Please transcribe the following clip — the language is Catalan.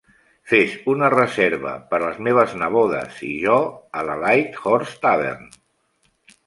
Fes una reserva per a les meves nebodes i jo a la Light Horse Tavern.